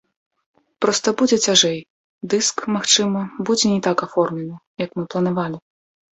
Проста будзе цяжэй, дыск, магчыма, будзе не так аформлены, як мы планавалі.